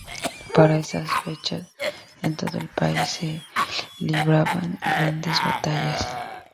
Para esas fechas, en todo el país se libraban grandes batallas.